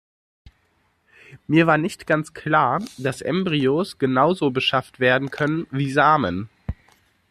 Mir war nicht ganz klar, dass Embryos genauso beschafft werden können wie Samen.